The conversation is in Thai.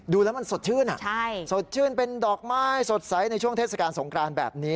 ดูแล้วสดชื่นเป็นดอกไม้สดใสในช่วงเทศกาลสงกรารย์แบบนี้นะ